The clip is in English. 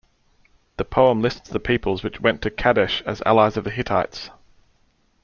The poem lists the peoples which went to Kadesh as allies of the Hittites.